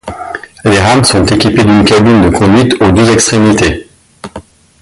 Les rames sont équipées d'une cabine de conduite aux deux extrémités.